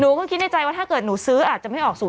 คิดในใจว่าถ้าเกิดหนูซื้ออาจจะไม่ออก๐